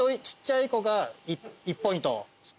ちっちゃい子が１ポイント。